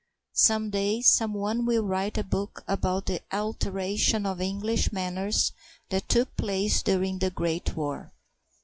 Some day someone will write a book about the alteration of English manners that took place during the Great War.